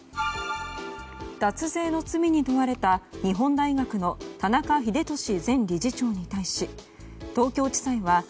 脱税の罪に問われた日本大学の田中英寿前理事長に対し東京地裁は